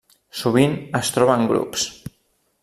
Sovint es troba en grups.